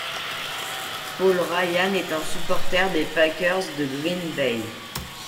Paul Ryan est un supporter des Packers de Green Bay.